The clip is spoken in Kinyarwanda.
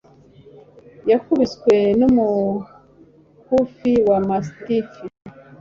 yakubiswe n'umukufi wa mastiff